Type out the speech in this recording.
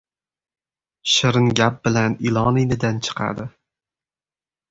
• Shirin gap bilan ilon inidan chiqadi.